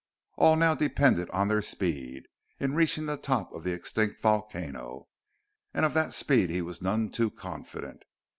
All now depended on their speed in reaching the top of the extinct volcano, and of that speed he was none too confident.